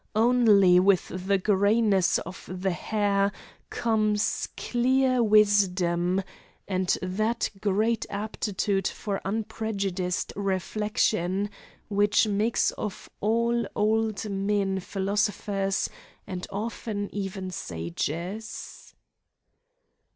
Only with the greyness of the hair comes clear wisdom, and that great aptitude for unprejudiced reflection which makes of all old men philosophers and often even sages.